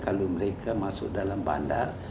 kalau mereka masuk dalam bandar